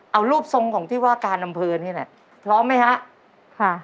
เอารูปทรงของที่ว่าการอำเภอนี่แหละพร้อมไหมฮะค่ะ